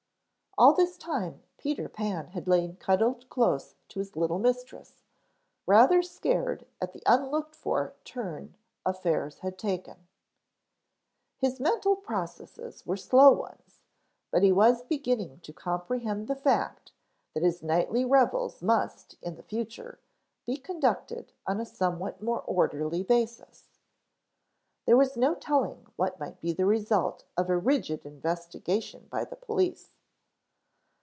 All this time Peter Pan had lain cuddled close to his little mistress, rather scared at the unlooked for turn affairs had taken. His mental processes were slow ones, but he was beginning to comprehend the fact that his nightly revels must, in the future, be conducted on a somewhat more orderly basis. There was no telling what might be the result of a rigid investigation by the police.